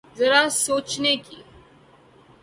ذرا سوچنے کی۔